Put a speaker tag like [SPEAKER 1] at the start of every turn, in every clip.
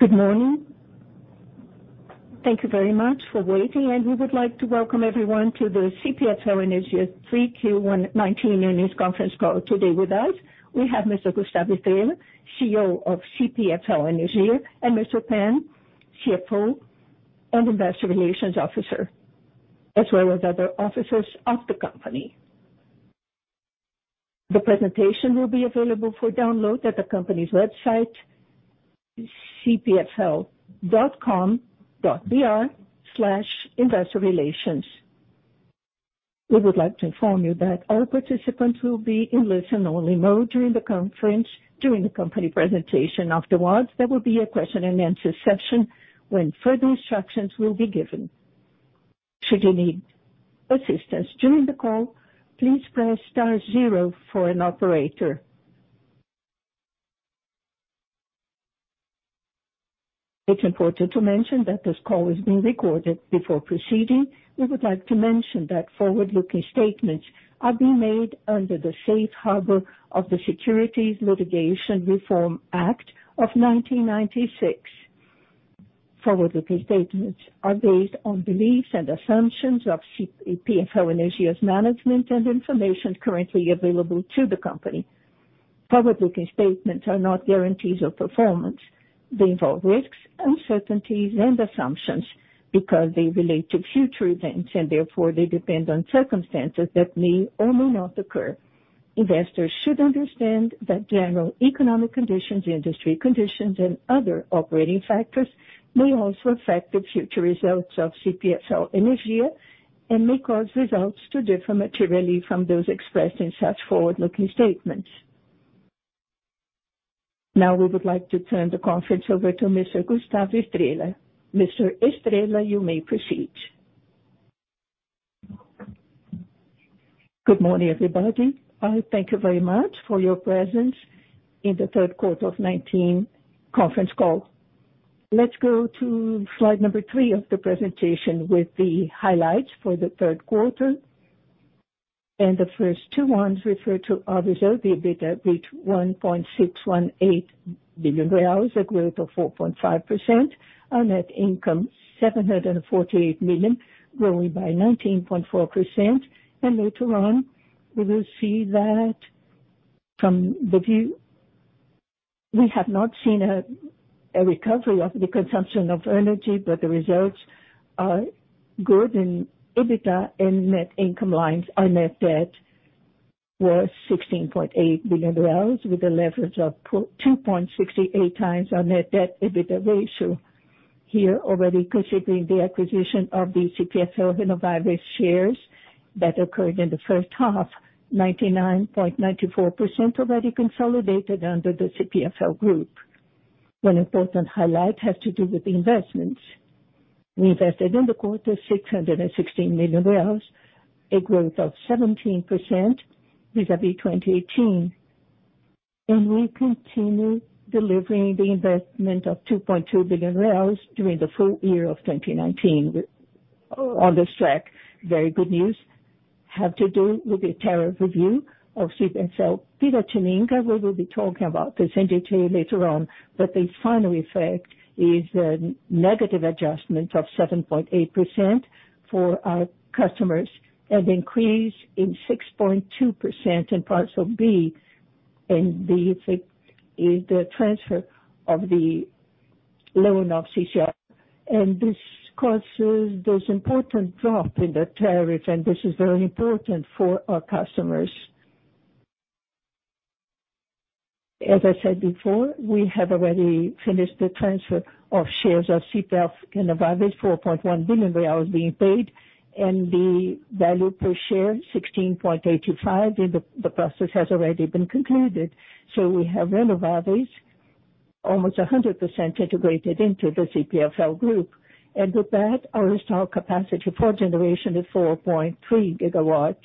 [SPEAKER 1] Good morning. Thank you very much for waiting. We would like to welcome everyone to the CPFL Energia 3Q19 earnings conference call today. With us, we have Mr. Gustavo Estrella, CEO of CPFL Energia, and Mr. Pan, CFO and Investor Relations Officer, as well as other officers of the company. The presentation will be available for download at the company's website, cpfl.com.br/investorrelations. We would like to inform you that all participants will be in listen-only mode during the company presentation. Afterwards, there will be a question and answer session when further instructions will be given. Should you need assistance during the call, please press star zero for an operator. It's important to mention that this call is being recorded. Before proceeding, we would like to mention that forward-looking statements are being made under the Safe Harbor of the Securities Litigation Reform Act of 1995. Forward-looking statements are based on beliefs and assumptions of CPFL Energia's management and information currently available to the company. Forward-looking statements are not guarantees of performance. They involve risks, uncertainties, and assumptions because they relate to future events, and therefore, they depend on circumstances that may or may not occur. Investors should understand that general economic conditions, industry conditions, and other operating factors may also affect the future results of CPFL Energia and may cause results to differ materially from those expressed in such forward-looking statements. We would like to turn the conference over to Mr. Gustavo Estrella. Mr. Estrella, you may proceed.
[SPEAKER 2] Good morning, everybody. Thank you very much for your presence in the third quarter of 2019 conference call. Let's go to slide number three of the presentation with the highlights for the third quarter. The first two ones refer to our results, the EBITDA reached 1.618 billion reais, a growth of 4.5%, our net income, 748 million, growing by 19.4%, and later on, we will see that from the view, we have not seen a recovery of the consumption of energy, but the results are good in EBITDA and net income lines. Our net debt was BRL 16.8 billion with a leverage of 2.68 times our net debt/EBITDA ratio. Here, already considering the acquisition of the CPFL Renováveis shares that occurred in the first half, 99.94% already consolidated under the CPFL group. One important highlight has to do with investments. We invested in the quarter 616 million, a growth of 17% vis-à-vis 2018. We continue delivering the investment of 2.2 billion during the full year of 2019. On this track, very good news have to do with the tariff review of CPFL Piratininga. We will be talking about this in detail later on, but the final effect is a negative adjustment of 7.8% for our customers, an increase in 6.2% in Parcel B, and the effect is the transfer of the loan of CGR. This causes this important drop in the tariff, and this is very important for our customers. As I said before, we have already finished the transfer of shares of CPFL Renováveis, 4.1 billion being paid, and the value per share, 16.85, and the process has already been concluded. We have Renováveis almost 100% integrated into the CPFL group. With that, our installed capacity for generation is 4.3 gigawatts,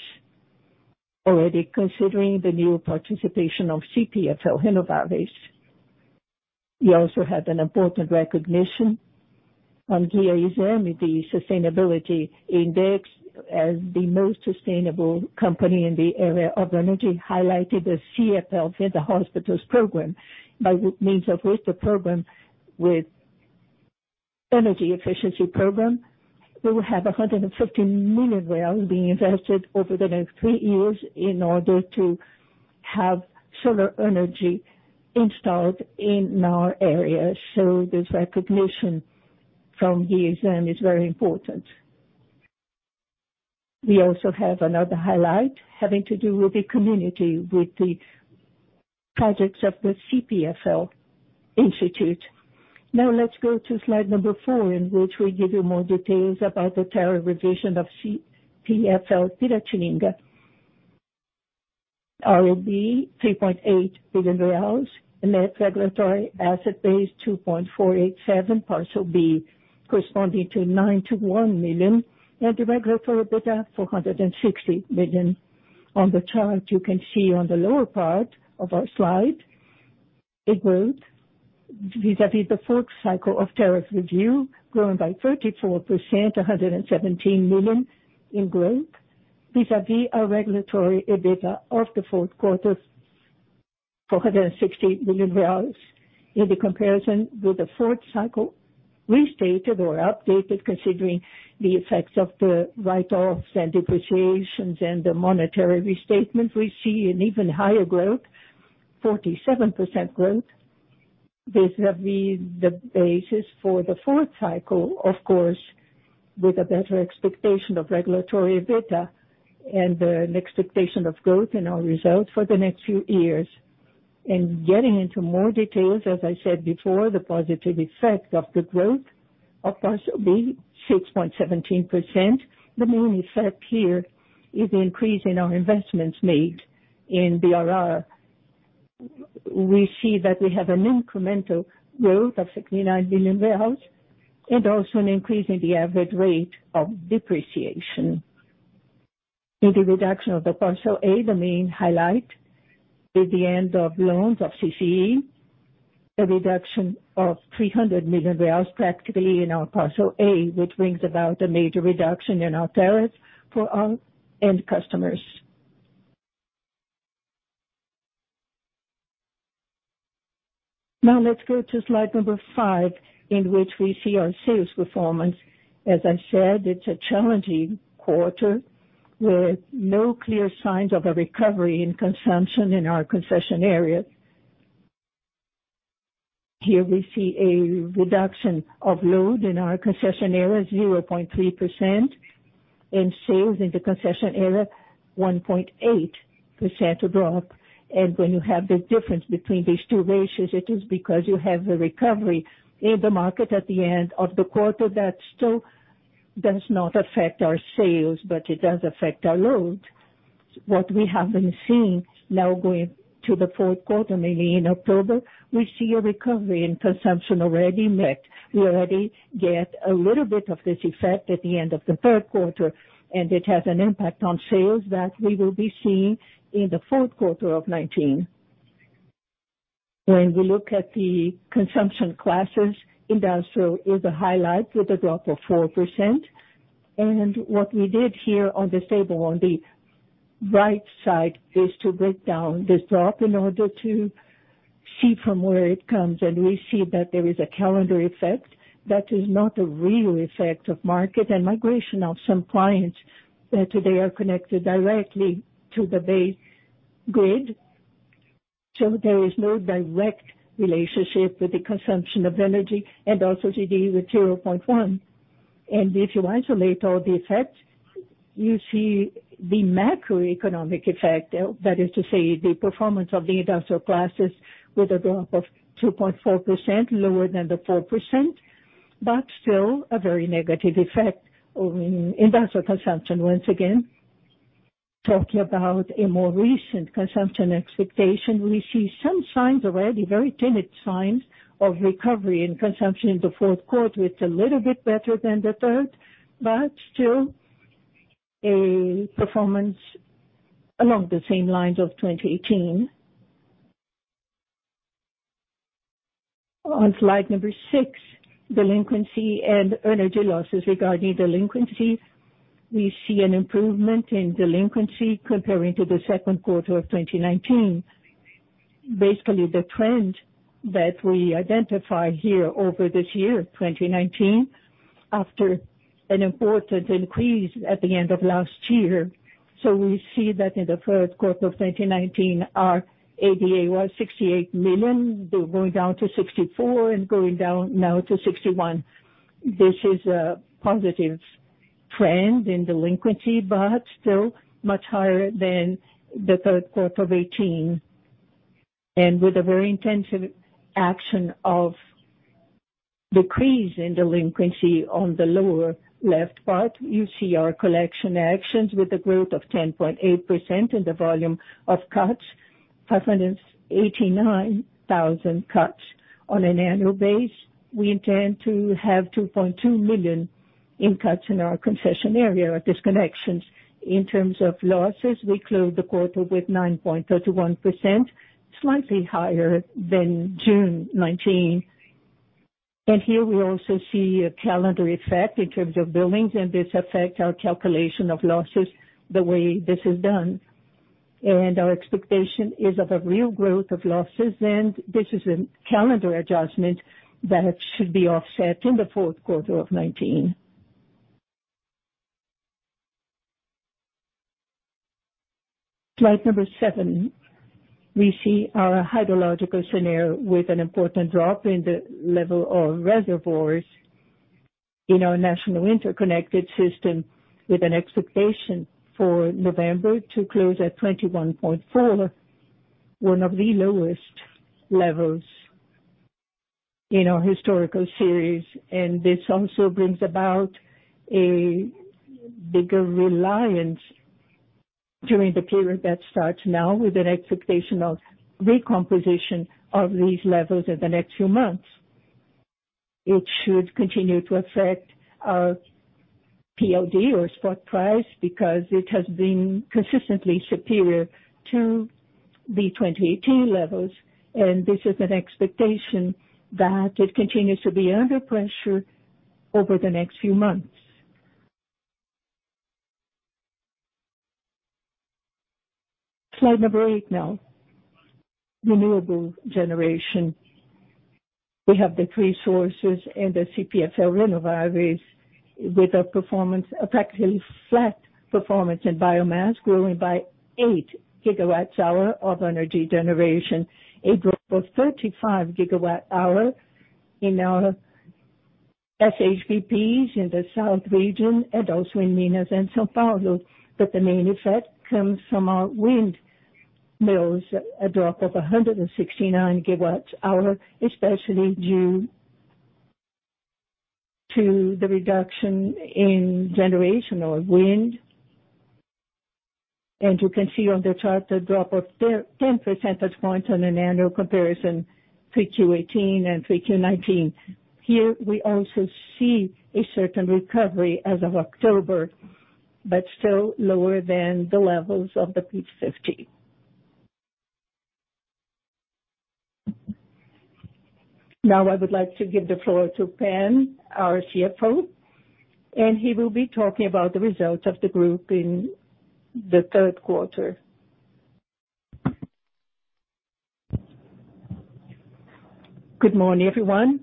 [SPEAKER 2] already considering the new participation of CPFL Renováveis. We also had an important recognition on ISE B3, the sustainability index, as the most sustainable company in the area of energy, highlighted the CPFL nos Hospitais program. By means of which the energy efficiency program, we will have 150 million being invested over the next three years in order to have solar energy installed in our area. This recognition from ISE B3 is very important. We also have another highlight having to do with the community, with the projects of the Instituto CPFL. Let's go to slide number four, in which we give you more details about the tariff revision of CPFL Piratininga. RAB, 3.8 billion reais. Net regulatory asset base, 2.487, Parcel B, corresponding to 9.1 million, and the regulatory EBITDA, 460 million. On the chart, you can see on the lower part of our slide a growth vis-à-vis the fourth cycle of tariff review, growing by 34%, 117 million in growth. Vis-à-vis our regulatory EBITDA of the fourth quarter, BRL 460 million in the comparison with the fourth cycle restated or updated considering the effects of the write-offs and depreciations and the monetary restatement, we see an even higher growth, 47% growth vis-à-vis the basis for the fourth cycle, of course, with a better expectation of regulatory EBITDA and an expectation of growth in our results for the next few years. Getting into more details, as I said before, the positive effect of the growth of Parcel B, 6.17%, the main effect here is the increase in our investments made in BRR. We see that we have an incremental growth of 69 million and also an increase in the average rate of depreciation. In the reduction of the Parcel A, the main highlight is the end of loans of CCE, a reduction of 300 million practically in our Parcel A, which brings about a major reduction in our tariffs for our end customers. Let's go to slide number five, in which we see our sales performance. As I said, it's a challenging quarter with no clear signs of a recovery in consumption in our concession area. Here we see a reduction of load in our concession area, 0.3%, and sales in the concession area, 1.8% drop. When you have the difference between these two ratios, it is because you have a recovery in the market at the end of the quarter that still does not affect our sales, but it does affect our load. What we haven't seen now going to the fourth quarter, maybe in October, we see a recovery in consumption already met. We already get a little bit of this effect at the end of the third quarter, and it has an impact on sales that we will be seeing in the fourth quarter of 2019. When we look at the consumption classes, industrial is a highlight with a drop of 4%. What we did here on this table on the right side is to break down this drop in order to see from where it comes. We see that there is a calendar effect that is not a real effect of market and migration of some clients that today are connected directly to the base grid. There is no direct relationship with the consumption of energy and also CD with 0.1. If you isolate all the effects, you see the macroeconomic effect, that is to say, the performance of the industrial classes with a drop of 2.4%, lower than the 4%, but still a very negative effect in industrial consumption once again. Talking about a more recent consumption expectation, we see some signs already, very timid signs of recovery in consumption in the fourth quarter. It's a little bit better than the third, but still a performance along the same lines of 2018. On slide number six, delinquency and energy losses. Regarding delinquency, we see an improvement in delinquency comparing to the second quarter of 2019. The trend that we identify here over this year, 2019, after an important increase at the end of last year. We see that in the first quarter of 2019, our ADA was 68 million, going down to 64 million and going down now to 61 million. This is a positive trend in delinquency, much higher than the third quarter of 2018. With a very intensive action of decrease in delinquency on the lower left part, you see our collection actions with a growth of 10.8% in the volume of cuts, 589,000 cuts on an annual base. We intend to have 2.2 million in cuts in our concession area or disconnections. In terms of losses, we closed the quarter with 9.31%, slightly higher than June 2019. Here we also see a calendar effect in terms of billings, and this affects our calculation of losses the way this is done. Our expectation is of a real growth of losses, and this is a calendar adjustment that should be offset in the fourth quarter of 2019. Slide seven, we see our hydrological scenario with an important drop in the level of reservoirs in our national interconnected system with an expectation for November to close at 21.4, one of the lowest levels in our historical series. This also brings about a bigger reliance during the period that starts now with an expectation of recomposition of these levels in the next few months. It should continue to affect our PLD or spot price because it has been consistently superior to the 2018 levels, and this is an expectation that it continues to be under pressure over the next few months. Slide number 8 now. Renewable generation. We have the 3 sources and the CPFL Renováveis with a practically flat performance in biomass, growing by 8 gigawatts hour of energy generation. A drop of 35 gigawatt hour in our SHPPs in the South region and also in Minas and São Paulo. The main effect comes from our windmills, a drop of 169 gigawatts hour, especially due to the reduction in generation or wind. You can see on the chart a drop of 10 percentage points on an annual comparison, 3Q18 and 3Q19. Here we also see a certain recovery as of October, but still lower than the levels of the P50. I would like to give the floor to Pan, our CFO. He will be talking about the results of the group in the third quarter.
[SPEAKER 3] Good morning, everyone.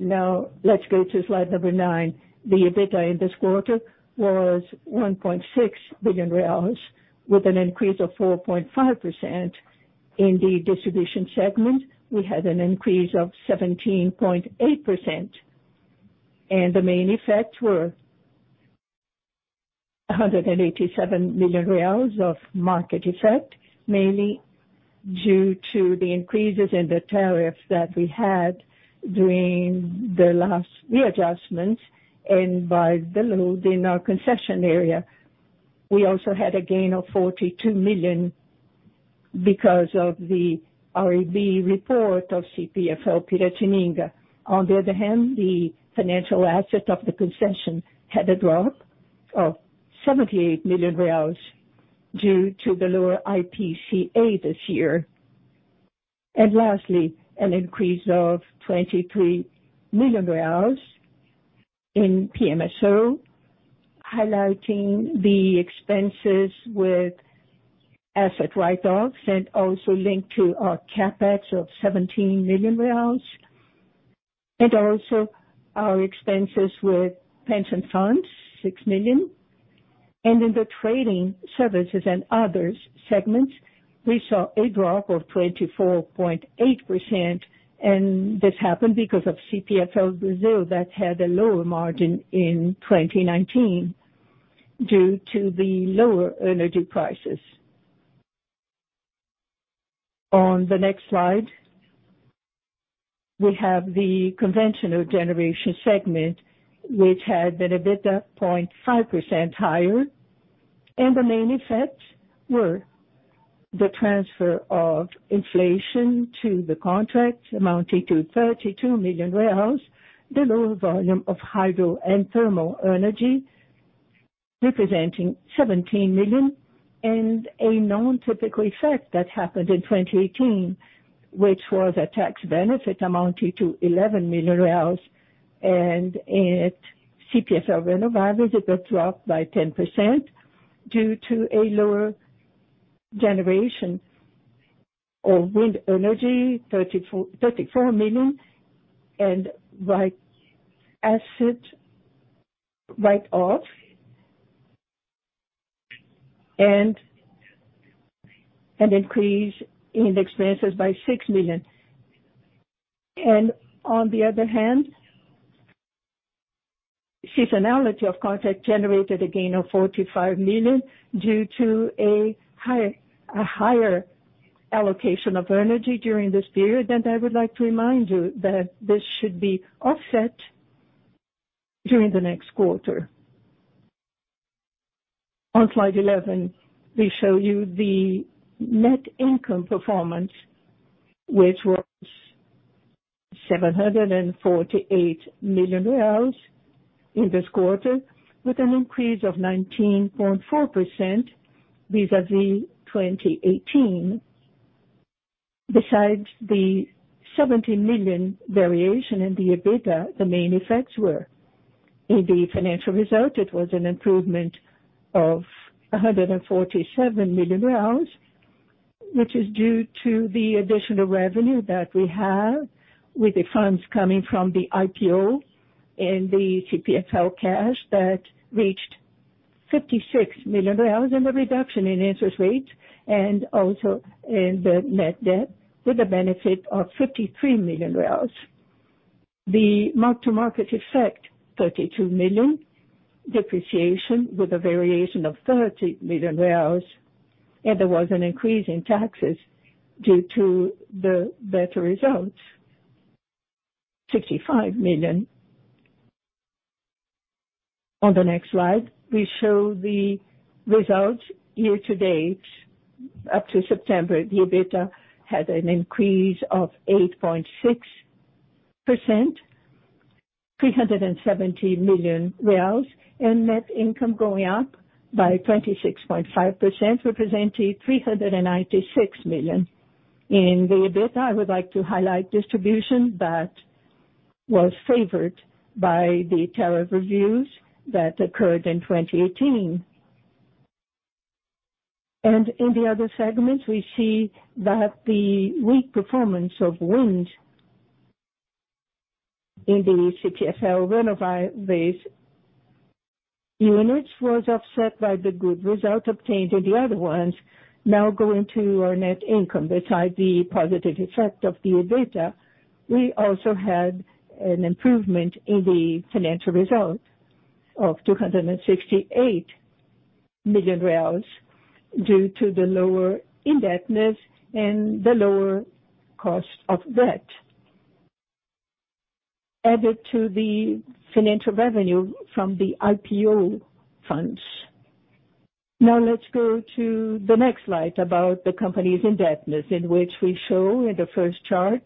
[SPEAKER 3] Let's go to slide number nine. The EBITDA in this quarter was 1.6 billion reais with an increase of 4.5%. In the distribution segment, we had an increase of 17.8%. The main effects were 187 million reais of market effect, mainly due to the increases in the tariffs that we had during the last readjustments and by the load in our concession area. We also had a gain of 42 million because of the REB report of CPFL Piratininga. On the other hand, the financial asset of the concession had a drop of 78 million reais due to the lower IPCA this year. Lastly, an increase of 23 million in PMSO, highlighting the expenses with asset write-offs and also linked to our CapEx of 17 million reais. Also, our expenses with pension funds, six million. In the trading services and others segments, we saw a drop of 24.8%. This happened because of CPFL Brasil that had a lower margin in 2019 due to the lower energy prices. On the next slide, we have the conventional generation segment, which had an EBITDA 0.5% higher. The main effects were the transfer of inflation to the contract amounting to 32 million, the lower volume of hydro and thermal energy representing 17 million, and a non-typical effect that happened in 2018, which was a tax benefit amounting to 11 million. At CPFL Renováveis, it got dropped by 10% due to a lower generation of wind energy, BRL 34 million, asset write-off, and an increase in expenses by 6 million. On the other hand, seasonality of contract generated a gain of 45 million due to a higher allocation of energy during this period. I would like to remind you that this should be offset during the next quarter. On slide 11, we show you the net income performance, which was 748 million reais in this quarter with an increase of 19.4% vis-à-vis 2018. Besides the 70 million variation in the EBITDA, the main effects were in the financial result. It was an improvement of 147 million, which is due to the additional revenue that we have with the funds coming from the IPO and the CPFL cash that reached BRL 56 million, and the reduction in interest rates, and also in the net debt with a benefit of 53 million. The mark-to-market effect, 32 million. Depreciation with a variation of 30 million. There was an increase in taxes due to the better results, 65 million. On the next slide, we show the results year-to-date up to September. The EBITDA had an increase of 8.6%, 370 million reais, and net income going up by 26.5%, representing 396 million. In the EBITDA, I would like to highlight distribution that was favored by the tariff reviews that occurred in 2018. In the other segments, we see that the weak performance of wind in the CPFL Renováveis units was offset by the good result obtained in the other ones, now going to our net income. Besides the positive effect of the EBITDA, we also had an improvement in the financial result of 268 million reais due to the lower indebtedness and the lower cost of debt added to the financial revenue from the IPO funds. Now let's go to the next slide about the company's indebtedness, in which we show in the first chart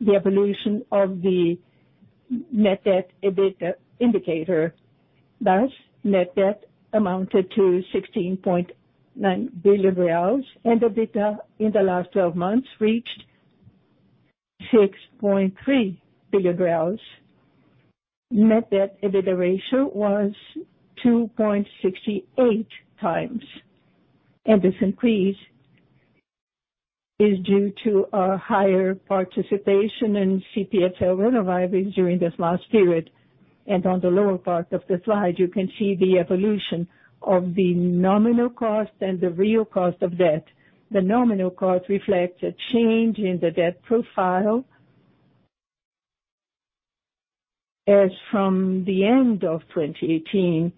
[SPEAKER 3] the evolution of the net debt/EBITDA indicator. Thus, net debt amounted to 16.9 billion reais, and EBITDA in the last 12 months reached 6.3 billion reais. Net debt/EBITDA ratio was 2.68 times, and this increase is due to a higher participation in CPFL Renováveis during this last period. On the lower part of the slide, you can see the evolution of the nominal cost and the real cost of debt. The nominal cost reflects a change in the debt profile as from the end of 2018,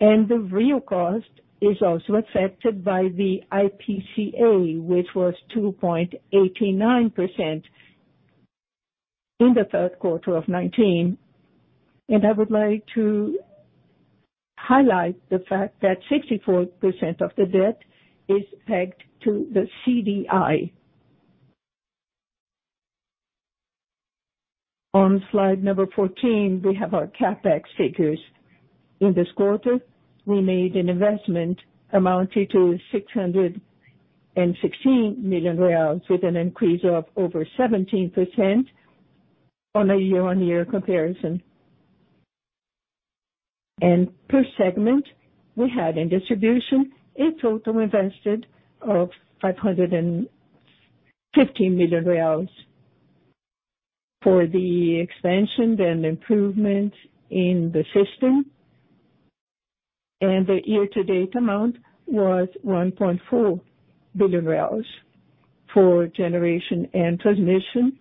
[SPEAKER 3] and the real cost is also affected by the IPCA, which was 2.89% in the third quarter of 2019. I would like to highlight the fact that 64% of the debt is pegged to the CDI. On slide number 14, we have our CapEx figures. In this quarter, we made an investment amounting to 616 million reais, with an increase of over 17% on a year-on-year comparison. Per segment, we had in distribution a total invested of 515 million reais for the expansion and improvement in the system, and the year-to-date amount was 1.4 billion. For generation and transmission,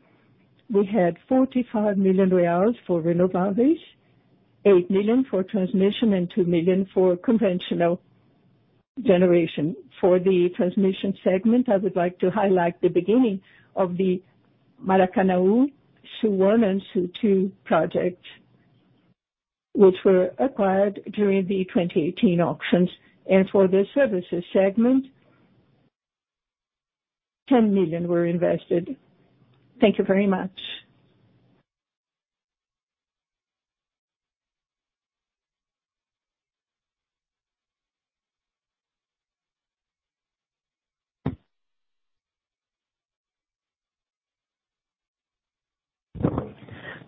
[SPEAKER 3] we had 45 million for renewables, 8 million for transmission, and 2 million for conventional generation. For the transmission segment, I would like to highlight the beginning of the Maracanaú Sul I and II project, which were acquired during the 2018 auctions. For the services segment, 10 million were invested. Thank you very much.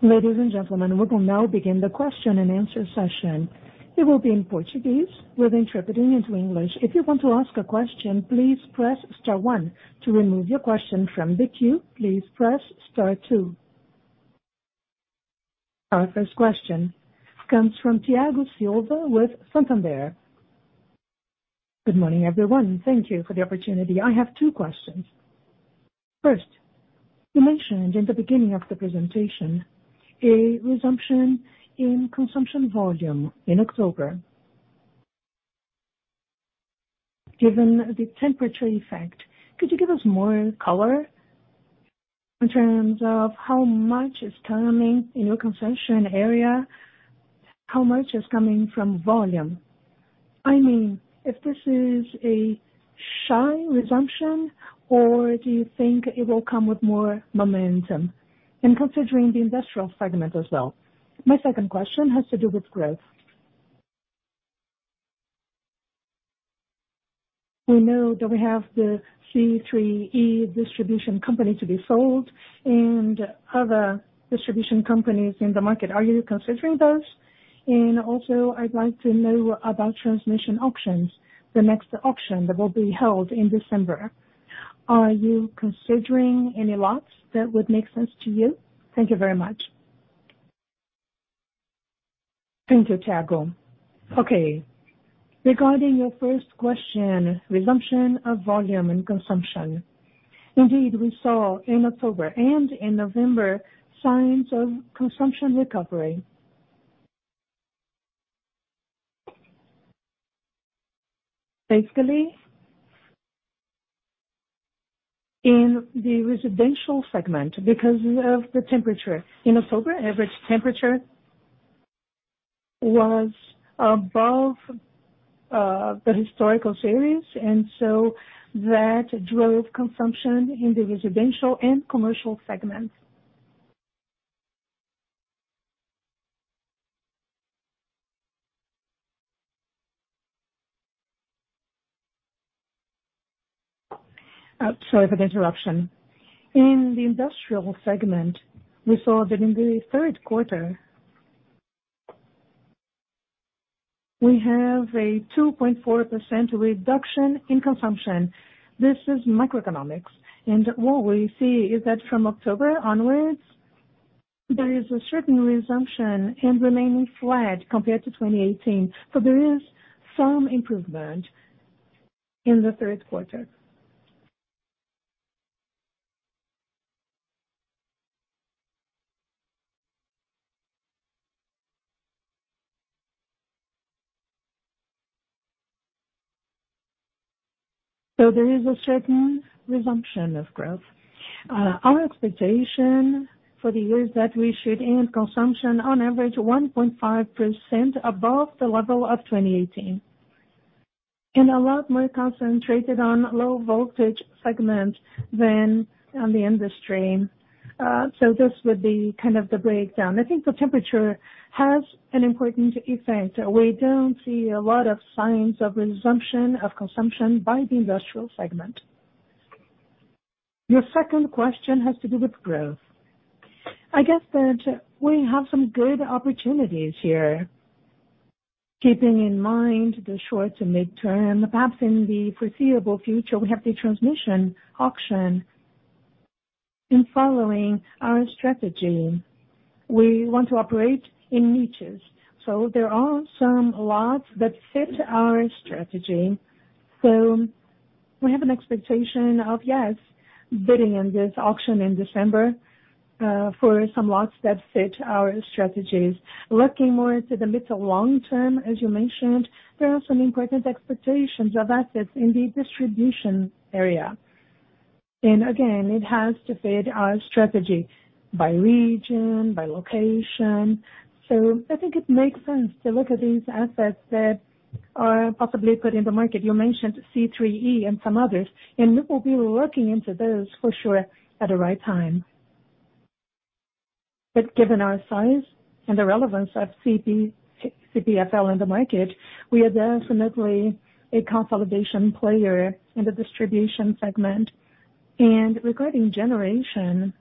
[SPEAKER 1] Ladies and gentlemen, we will now begin the question-and-answer session. It will be in Portuguese with interpreting into English. If you want to ask a question, please press star one. To remove your question from the queue, please press star two. Our first question comes from Thiago Silva with Santander.
[SPEAKER 4] Good morning, everyone. Thank you for the opportunity. I have two questions. First, you mentioned in the beginning of the presentation a resumption in consumption volume in October. Given the temperature effect, could you give us more color in terms of how much is coming in your consumption area, how much is coming from volume? I mean, if this is a shy resumption, or do you think it will come with more momentum? Considering the industrial segment as well. My second question has to do with growth. We know that we have the C3E distribution company to be sold and other distribution companies in the market. Are you considering those? Also, I'd like to know about transmission auctions, the next auction that will be held in December. Are you considering any lots that would make sense to you? Thank you very much.
[SPEAKER 2] Thank you, Thiago. Okay. Regarding your first question, resumption of volume and consumption. Indeed, we saw in October and in November signs of consumption recovery. Basically, in the residential segment because of the temperature. In October, average temperature Was above the historical series, and so that drove consumption in the residential and commercial segments. Sorry for the interruption. In the industrial segment, we saw that in the third quarter, we have a 2.4% reduction in consumption. This is macroeconomics. What we see is that from October onwards, there is a certain resumption and remaining flat compared to 2018. There is some improvement in the third quarter. There is a certain resumption of growth. Our expectation for the year is that we should end consumption on average 1.5% above the level of 2018. A lot more concentrated on low voltage segment than on the industry. This would be kind of the breakdown. I think the temperature has an important effect. We don't see a lot of signs of resumption of consumption by the industrial segment. Your second question has to do with growth. I guess that we have some good opportunities here. Keeping in mind the short to mid-term, perhaps in the foreseeable future, we have the transmission auction. In following our strategy, we want to operate in niches. There are some lots that fit our strategy. We have an expectation of, yes, bidding on this auction in December, for some lots that fit our strategies. Looking more into the mid to long-term, as you mentioned, there are some important expectations of assets in the distribution area. Again, it has to fit our strategy by region, by location. I think it makes sense to look at these assets that are possibly put in the market. You mentioned C3E and some others, and we will be looking into those for sure at the right time. Given our size and the relevance of CPFL in the market, we are definitely a consolidation player in the distribution segment. Regarding generation,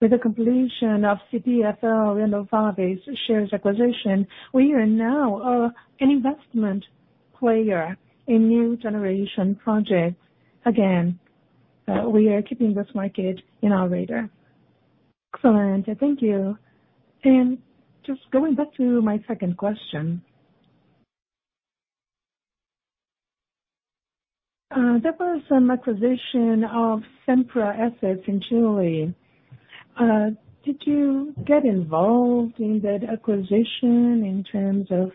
[SPEAKER 2] with the completion of CPFL Renováveis shares acquisition, we are now an investment player in new generation projects. Again, we are keeping this market in our radar.
[SPEAKER 4] Excellent. Thank you. Just going back to my second question. There was some acquisition of Sempra assets in Chile. Did you get involved in that acquisition in terms of,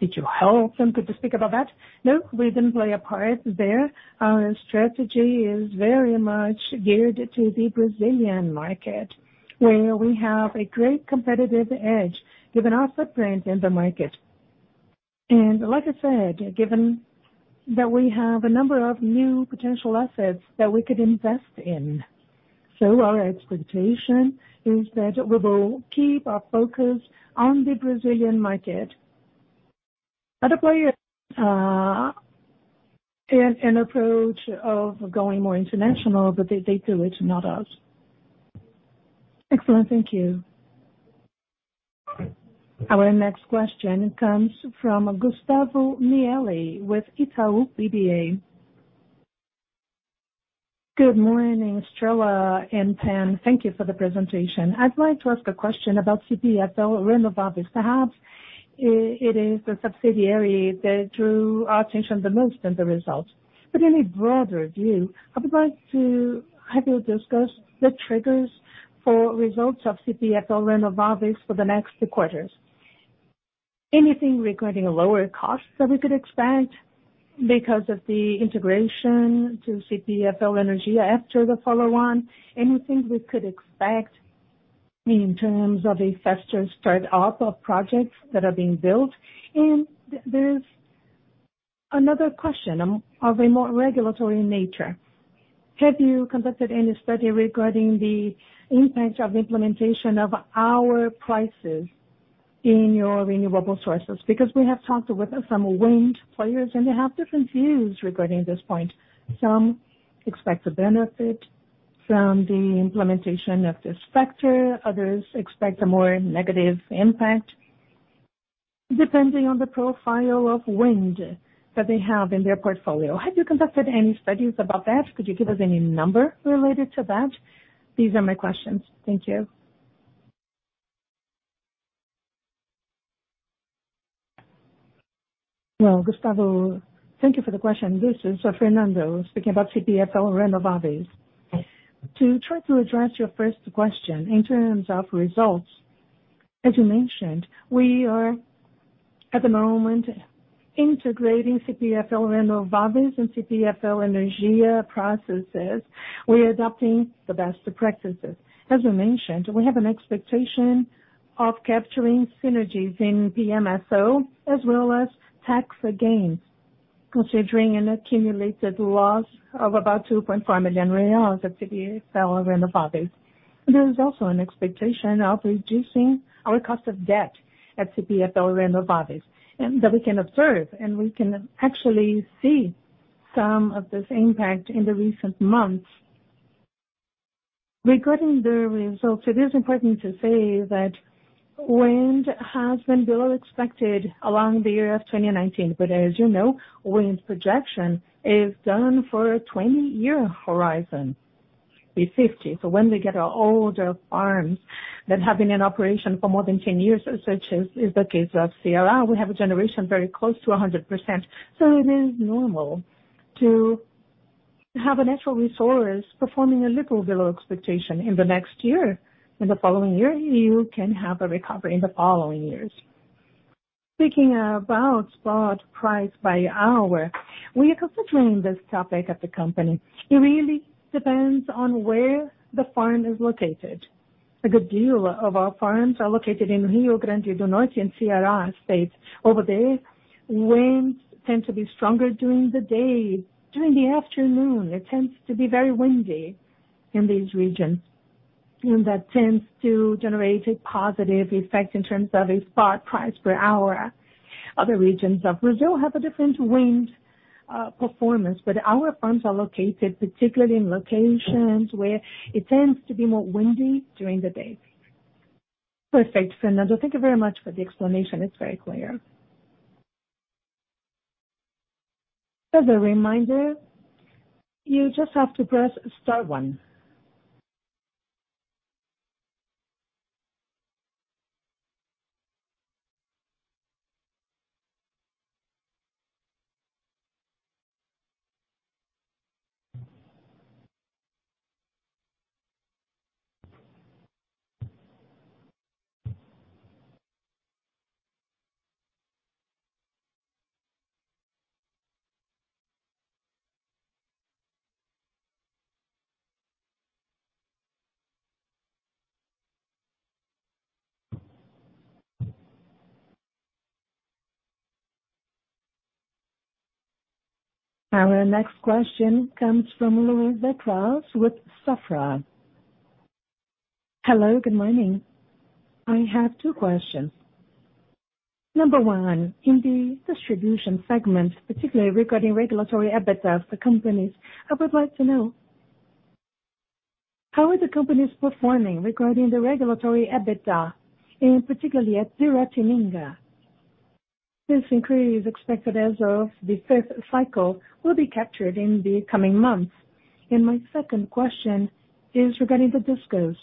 [SPEAKER 4] did you help them? Could you speak about that?
[SPEAKER 2] No, we didn't play a part there. Our strategy is very much geared to the Brazilian market, where we have a great competitive edge given our footprint in the market. Like I said, given that we have a number of new potential assets that we could invest in. Our expectation is that we will keep our focus on the Brazilian market. Other players have an approach of going more international, but they do it, not us.
[SPEAKER 4] Excellent. Thank you.
[SPEAKER 1] Our next question comes from Gustavo Mielli with Itaú BBA.
[SPEAKER 5] Good morning, Estrella and team. Thank you for the presentation. I'd like to ask a question about CPFL Renováveis. Perhaps it is the subsidiary that drew our attention the most in the results. In a broader view, I would like to have you discuss the triggers for results of CPFL Renováveis for the next two quarters. Anything regarding lower costs that we could expect because of the integration to CPFL Energia after the follow-on? Anything we could expect in terms of a faster start-up of projects that are being built? There's another question of a more regulatory nature. Have you conducted any study regarding the impact of implementation of hour prices in your renewable sources? Because we have talked with some wind players, and they have different views regarding this point. Some expect a benefit from the implementation of this factor. Others expect a more negative impact depending on the profile of wind that they have in their portfolio. Have you conducted any studies about that? Could you give us any number related to that? These are my questions. Thank you.
[SPEAKER 6] Well, Gustavo, thank you for the question. This is Fernando speaking about CPFL Renováveis. To try to address your first question in terms of results, as you mentioned, at the moment, integrating CPFL Renováveis and CPFL Energia processes, we're adopting the best practices.
[SPEAKER 7] As I mentioned, we have an expectation of capturing synergies in PMSO as well as tax gains, considering an accumulated loss of about 2.5 million reais at CPFL Renováveis. There is also an expectation of reducing our cost of debt at CPFL Renováveis, and that we can actually see some of this impact in the recent months. Regarding the results, it is important to say that wind has been below expected along the year of 2019. As you know, wind projection is done for a 20-year horizon, P50. When we get our older farms that have been in operation for more than 10 years, such as is the case of CR, we have a generation very close to 100%. It is normal to have a natural resource performing a little below expectation in the next year. In the following year, you can have a recovery in the following years. Speaking about spot price by hour, we are considering this topic at the company. It really depends on where the farm is located. A good deal of our farms are located in Rio Grande do Norte and Ceará states. Over there, winds tend to be stronger during the day, during the afternoon. That tends to generate a positive effect in terms of a spot price per hour. Our farms are located, particularly in locations where it tends to be more windy during the day.
[SPEAKER 5] Perfect, Fernando. Thank you very much for the explanation. It's very clear.
[SPEAKER 1] As a reminder, you just have to press star one. Our next question comes from Luisa Cruz with Safra.
[SPEAKER 8] Hello, good morning. I have two questions. Number 1, in the distribution segment, particularly regarding regulatory EBITDA for companies, I would like to know, how are the companies performing regarding the regulatory EBITDA, and particularly at Piratininga? This inquiry is expected as of the fifth cycle will be captured in the coming months. My second question is regarding the discos.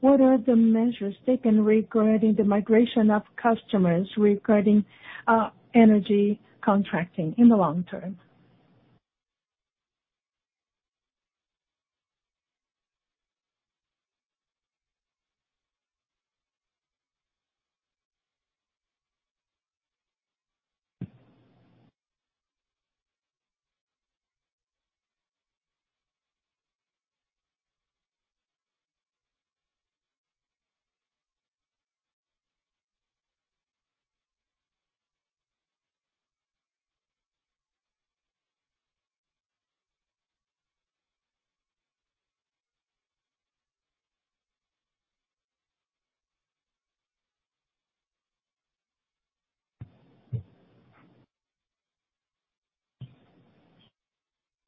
[SPEAKER 8] What are the measures taken regarding the migration of customers regarding energy contracting in the long term?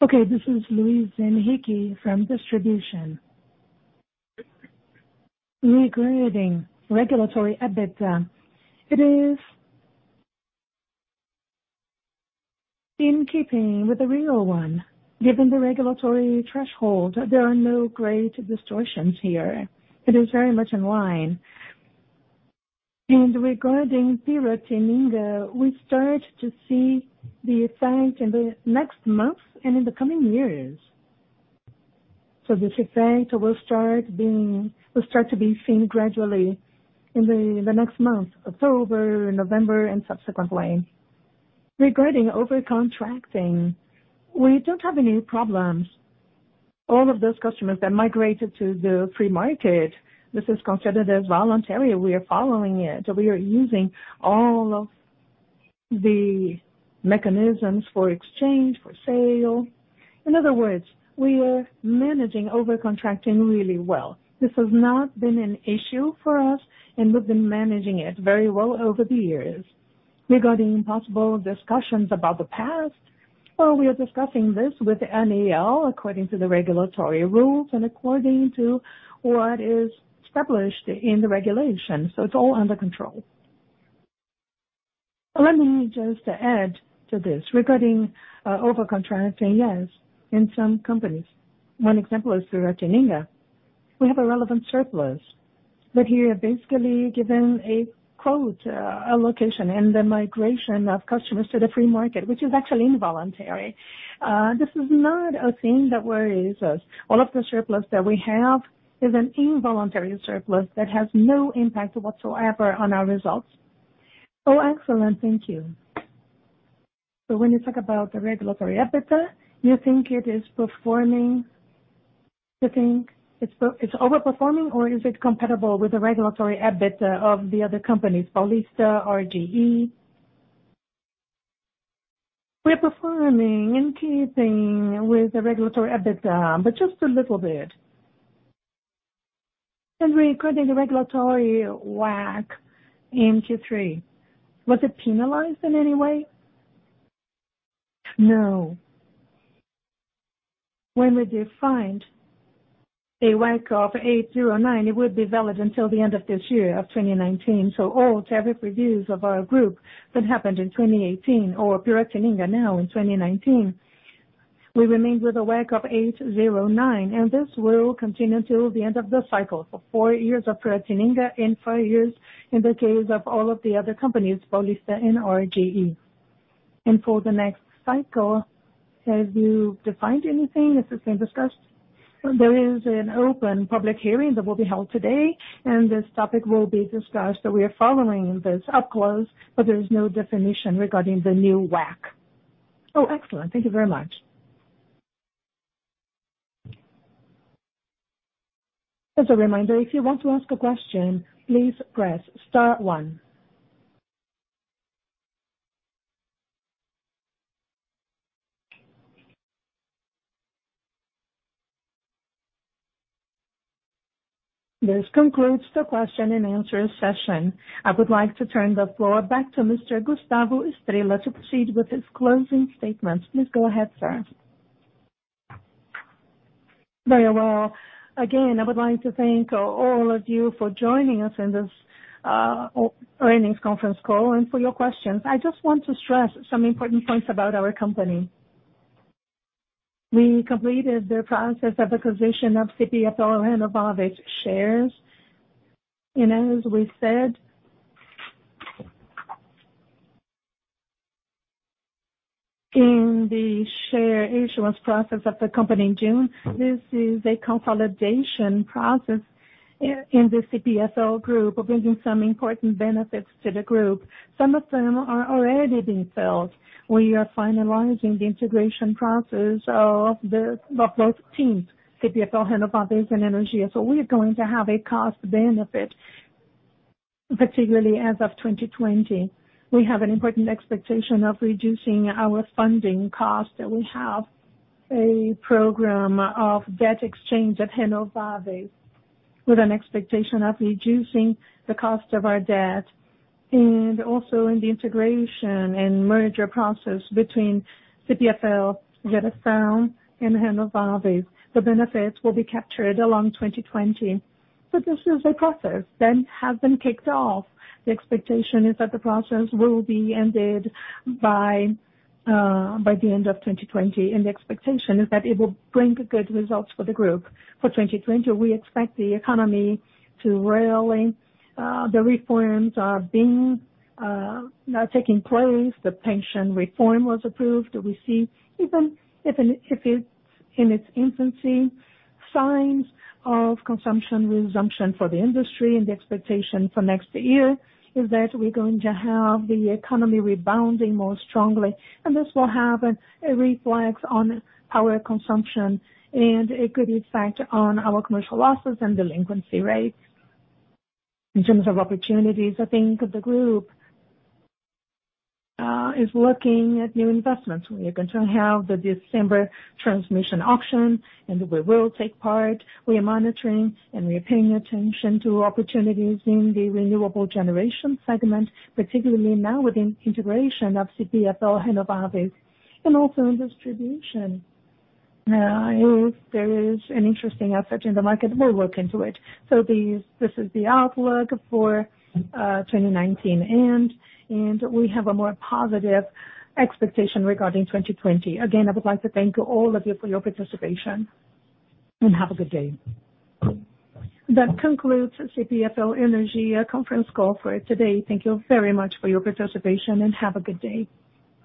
[SPEAKER 9] Okay, this is Luisa Hickey from Distribution. Regarding regulatory EBITDA, it is in keeping with the real one. Given the regulatory threshold, there are no great distortions here. It is very much in line. Regarding Piratininga, we start to see the effect in the next month and in the coming years. This effect will start to be seen gradually in the next month, October, November, and subsequently. Regarding over-contracting, we don't have any problems. All of those customers that migrated to the free market, this is considered as voluntary. We are following it. We are using all of the mechanisms for exchange, for sale. In other words, we are managing over-contracting really well. This has not been an issue for us, and we've been managing it very well over the years. Regarding possible discussions about the past, well, we are discussing this with ANEEL according to the regulatory rules and according to what is established in the regulations. It's all under control. Let me just add to this. Regarding over-contracting, yes, in some companies. One example is Piratininga. We have a relevant surplus. You're basically given a quote, a location, and the migration of customers to the free market, which is actually involuntary. This is not a thing that worries us. All of the surplus that we have is an involuntary surplus that has no impact whatsoever on our results.
[SPEAKER 8] Excellent. Thank you. When you talk about the regulatory EBITDA, you think it's over-performing, or is it comparable with the regulatory EBITDA of the other companies, Paulista or RGE? We're performing in keeping with the regulatory EBITDA, but just a little bit. Recording the regulatory WACC in Q3, was it penalized in any way? No. When was it defined? A WACC of 8.09, it would be valid until the end of this year of 2019.
[SPEAKER 9] All tariff reviews of our group that happened in 2018 or Piratininga now in 2019, we remained with a WACC of 8.09, and this will continue until the end of the cycle. Four years of Piratininga and five years in the case of all of the other companies, Paulista and RGE.
[SPEAKER 8] For the next cycle, have you defined anything? Has this been discussed?
[SPEAKER 9] There is an open public hearing that will be held today, and this topic will be discussed. We are following this up close, but there is no definition regarding the new WACC. Oh, excellent. Thank you very much.
[SPEAKER 1] As a reminder, if you want to ask a question, please press star one. This concludes the question and answer session. I would like to turn the floor back to Mr. Gustavo Estrella to proceed with his closing statements. Please go ahead, sir.
[SPEAKER 2] Very well. Again, I would like to thank all of you for joining us on this earnings conference call and for your questions. I just want to stress some important points about our company. We completed the process of acquisition of CPFL Renováveis shares. As we said in the share issuance process of the company in June, this is a consolidation process in the CPFL group, bringing some important benefits to the group. Some of them are already being felt. We are finalizing the integration process of both teams, CPFL Renováveis and Energia. We're going to have a cost benefit, particularly as of 2020. We have an important expectation of reducing our funding cost, and we have a program of debt exchange at Renováveis with an expectation of reducing the cost of our debt. Also in the integration and merger process between CPFL Geração and Renováveis, the benefits will be captured along 2020. This is a process that has been kicked off. The expectation is that the process will be ended by the end of 2020, and the expectation is that it will bring good results for the group. For 2020, we expect the economy to rallying. The reforms are now taking place. The pension reform was approved. We see, even if it's in its infancy, signs of consumption resumption for the industry, and the expectation for next year is that we're going to have the economy rebounding more strongly, and this will have a reflex on power consumption and a good effect on our commercial losses and delinquency rates. In terms of opportunities, I think the group is looking at new investments. We are going to have the December transmission auction, and we will take part. We are monitoring and we are paying attention to opportunities in the renewable generation segment, particularly now with the integration of CPFL Renováveis and also in distribution. If there is an interesting asset in the market, we'll look into it. This is the outlook for 2019, and we have a more positive expectation regarding 2020. Again, I would like to thank all of you for your participation, and have a good day.
[SPEAKER 1] That concludes CPFL Energia conference call for today. Thank you very much for your participation, and have a good day.